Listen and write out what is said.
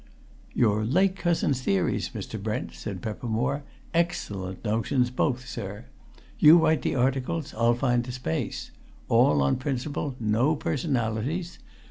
"Your late cousin's theories, Mr. Brent," said Peppermore. "Excellent notions, both, sir. You write the articles; I'll find the space. All on principle no personalities.